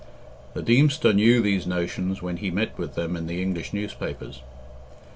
The Deemster knew these notions when he met with them in the English newspapers.